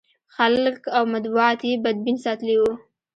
خلک او مطبوعات یې بدبین ساتلي و.